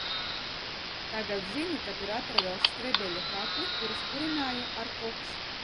"Tagad zinu ka tur atradās "Strebeļa" katli kurus kurināja ar koksu."